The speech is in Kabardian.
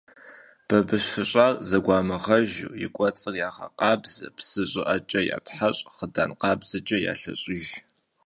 Бабыщ фыщӏар зэгуамыгъэжу и кӏуэцӏыр ягъэкъабзэ, псы щӀыӀэкӀэ ятхьэщӀ, хъыдан къабзэкӀэ ялъэщӀыж.